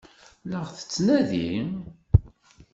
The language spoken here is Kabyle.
La ɣ-tettnadi?